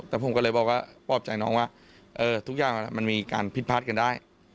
แต่ผมก็เลยบอกว่าปลอบใจน้องว่าทุกอย่างมันมีการพิษพัดกันได้